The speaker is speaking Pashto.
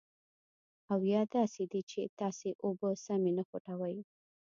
او یا داسې دي چې تاسې اوبه سمې نه خوټوئ.